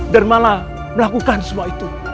malah melakukan semua itu